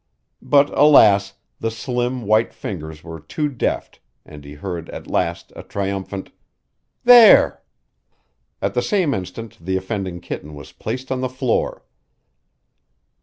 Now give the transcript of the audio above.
But, alas, the slim, white fingers were too deft and he heard at last a triumphant: "There!" At the same instant the offending kitten was placed on the floor.